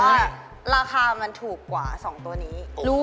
ว่าราคามันถูกกว่า๒ตัวนี้